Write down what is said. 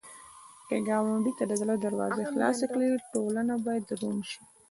که ګاونډي ته د زړه دروازې خلاصې کړې، ټولنه به روڼ شي